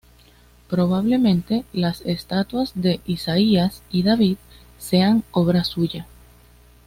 Probablemente, las estatuas de Isaías y David sean obra suya.